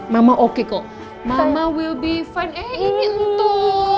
mama oke kok mama will be fine eh ini entuh sayang sayang sayang kalau kamu sedih adik